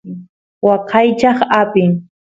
waqaychaq apin